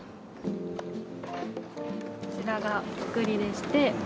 こちらがお造りでして。